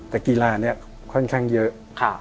แต่กีฬานี้ค่อนข้างเยอะ